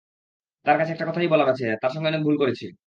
তাঁর কাছে একটা কথাই বলার আছে, তাঁর সঙ্গে অনেক ভুল করেছি।